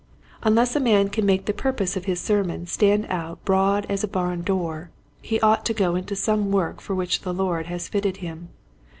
Unless a man can make the purpose of his sermon stand out broad as a barn door he ought to go into some work for which the Lord has fitted him.